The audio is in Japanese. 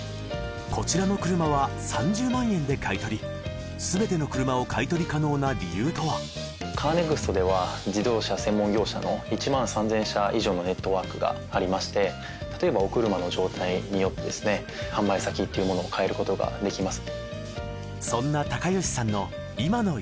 こちらの車は３０万円で買取すべての車を買取可能な理由とはカーネクストでは自動車専門業者の１万３０００社以上のネットワークがありましてたとえばお車の状態によってですね販売先っていうものを変えることができます